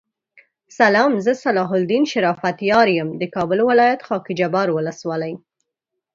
سلام زه صلاح الدین شرافت یار یم دکابل ولایت خاکحبار ولسوالی